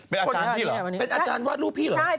เป็นอาจารย์วาดรูปพี่เหรอ